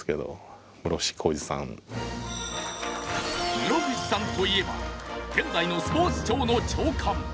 室伏さんといえば現在のスポーツ庁の長官。